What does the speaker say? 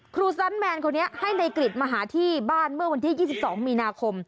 ซันแมนคนนี้ให้นายกริจมาหาที่บ้านเมื่อวันที่๒๒มีนาคม